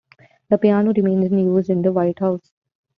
The piano remains in use in the White House.